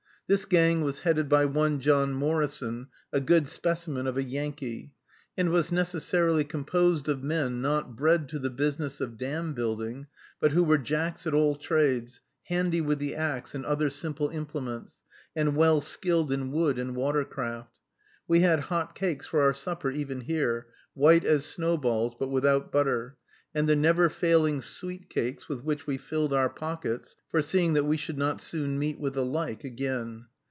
This gang was headed by one John Morrison, a good specimen of a Yankee; and was necessarily composed of men not bred to the business of dam building, but who were jacks at all trades, handy with the axe, and other simple implements, and well skilled in wood and water craft. We had hot cakes for our supper even here, white as snowballs, but without butter, and the never failing sweet cakes, with which we filled our pockets, foreseeing that we should not soon meet with the like again.